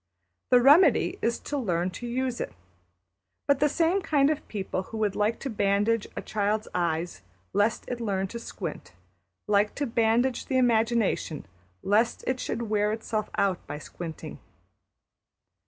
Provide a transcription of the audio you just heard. The remedy is to learn to use it. But the same kind of people who would like to bandage a child's eyes lest it should learn to squint, like to bandage the imagination lest it should wear itself out by squinting.